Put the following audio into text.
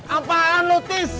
apaan lu tis